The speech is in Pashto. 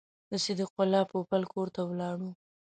د صدیق الله پوپل کور ته ولاړو.